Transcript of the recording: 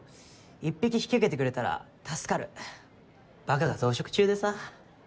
１匹引き受けてくれたら助かるばかが増殖中でさ。